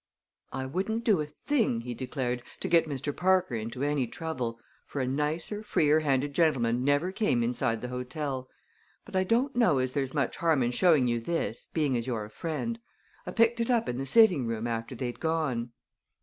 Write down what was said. "I wouldn't do a thing," he declared, "to get Mr. Parker into any trouble for a nicer, freer handed gentleman never came inside the hotel; but I don't know as there's much harm in showing you this, being as you're a friend. I picked it up in the sitting room after they'd gone."